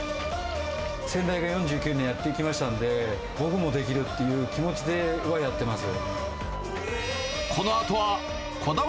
先代が４９年やってきましたんで、僕もできるっていう気持ちではやってます。